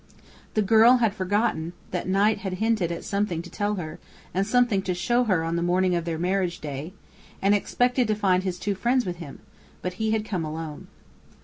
The girl had forgotten that Knight had hinted at something to tell and something to show her on the morning of their marriage day, and expected to find his two friends with him; but he had come alone.